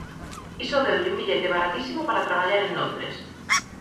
Iso deulle un billete baratísimo para traballar en Londres.